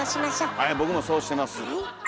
はい僕もそうしてます。